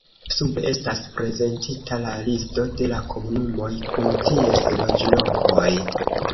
Sube estas prezentita la listo de la komunumoj kun ties loĝlokoj.